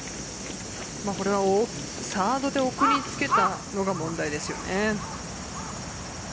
これはサードで奥につけたのが問題ですよね。